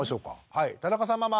はい田中さんママ！